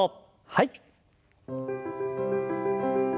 はい。